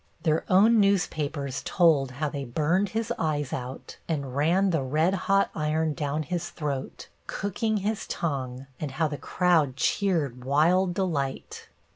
Their own newspapers told how they burned his eyes out and, ran the red hot iron down his throat, cooking his tongue, and how the crowd cheered wild delight.